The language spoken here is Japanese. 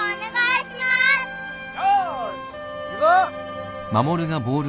よしいくぞ。